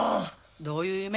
どういう夢？